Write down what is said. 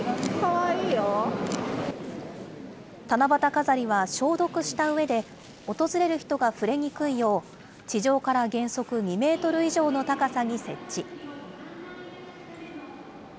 七夕飾りは消毒したうえで、訪れる人が触れにくいよう、地上から原則２メートル以上の高さに設置。